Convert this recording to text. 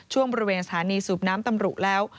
บริเวณสถานีสูบน้ำตำรุแล้ว